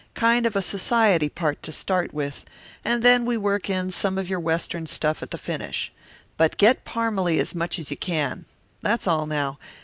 Kind of a society part to start with, and then we work in some of your Western stuff at the finish. But get Parmalee as much as you can. That's all now.